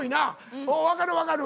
おう分かる分かる。